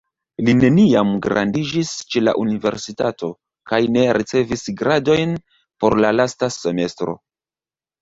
Li neniam gradiĝis ĉe la universitato kaj ne ricevis gradojn por la lasta semestro.